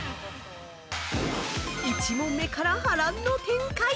１問目から波乱の展開！